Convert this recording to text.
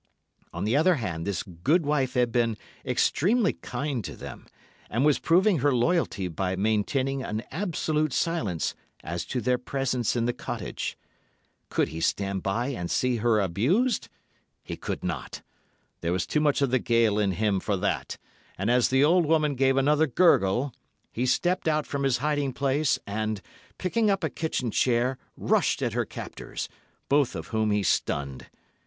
On the other hand this gude wife had been extremely kind to them, and was proving her loyalty by maintaining an absolute silence as to their presence in the cottage. Could he stand by and see her abused? He could not. There was too much of the Gael in him for that, and as the old woman gave another gurgle, he stepped out from his hiding place, and picking up a kitchen chair, rushed at her captors, both of whom he stunned.